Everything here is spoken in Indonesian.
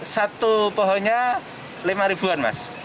satu pohonnya lima ribuan mas